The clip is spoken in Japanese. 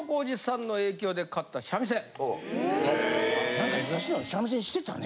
何か東野三味線してたね。